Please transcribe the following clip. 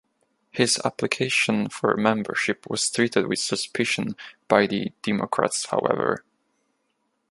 His application for membership was treated with suspicion by the Democrats however.